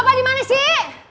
bapak dimana sih